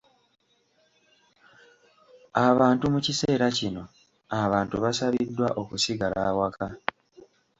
Abantu mu kiseera kino abantu basabiddwa okusigala awaka.